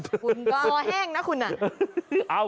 กล่อแห้งนะคุณน่ะ